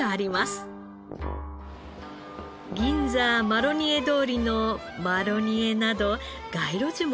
銀座マロニエ通りのマロニエなど街路樹も豊富。